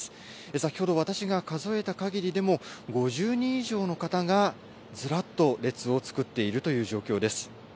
先ほど、私が数えたかぎりでも、５０人以上の方がずらっと列を作っているという状況です。